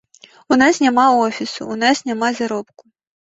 У нас няма офісу, у нас няма заробку.